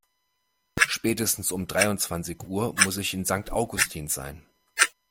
Spätestens um dreiundzwanzig Uhr muss ich in Sankt Augustin sein.